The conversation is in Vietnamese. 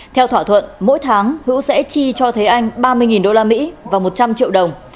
theo thỏa thuận mỗi tháng hữu sẽ chi cho thế anh ba mươi usd và một trăm linh triệu đồng